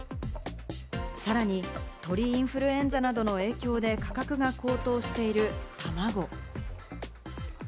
さらに鳥インフルエンザなどの影響で、価格が高騰しているたまご。